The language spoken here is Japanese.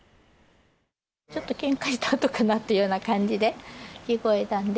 ちょっとけんかしたあとかなっていう感じで、聞こえたんで。